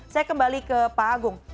saya kembali ke pak agung